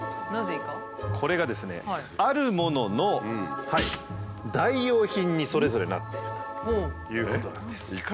これがですねあるものの代用品にそれぞれなっているということなんです。